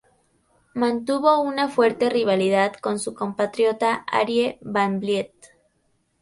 Mantuvo una fuerte rivalidad con su compatriota Arie van Vliet.